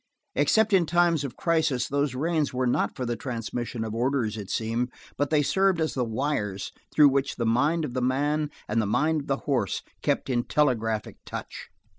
Except in times of crisis those reins were not for the transmission of orders, it seemed, but they served as the wires through which the mind of the man and the mind of the horse kept in telegraphic touch.